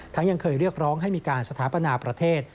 ยังเคยเรียกร้องให้มีการสถาปนาประเทศ